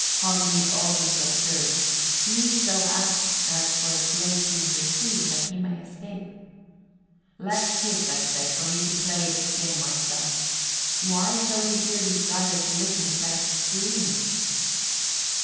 60. Hogni all this observed few so act, as for a slave to intercede, that he may escape! "Less 'tis, I say, for me to play this game myself. Why shall we here desire to listen to that screaming?"